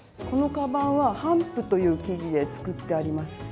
このカバンは帆布という生地で作ってあります。